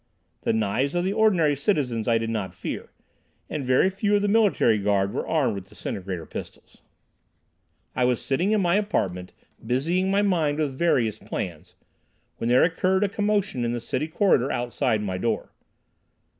The knives of the ordinary citizens I did not fear, and very few of the military guard were armed with disintegrator pistols. I was sitting in my apartment busying my mind with various plans, when there occurred a commotion in the city corridor outside my door.